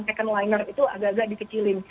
second liner itu agak agak dikecilin